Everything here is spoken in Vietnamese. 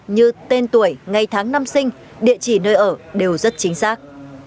như tên tuổi ngày tháng năm sinh địa chỉ nơi ở đều rất chính xác